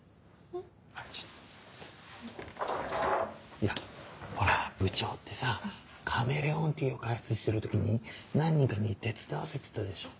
いやほら部長ってさカメレオンティーを開発してる時に何人かに手伝わせてたでしょ。